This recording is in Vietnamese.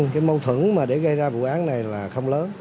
cái mâu thuẫn mà để gây ra vụ án này là không lớn